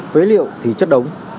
phế liệu thì chất đống